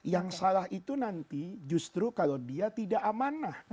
yang salah itu nanti justru kalau dia tidak amanah